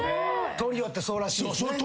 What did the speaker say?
トリオってそうらしいっすね。